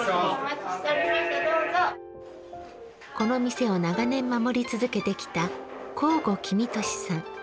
この店を長年、守り続けてきた向後公稔さん